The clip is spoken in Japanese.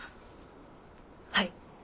はい。